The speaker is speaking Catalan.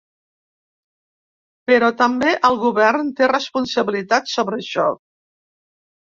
Però també el govern té responsabilitats sobre això.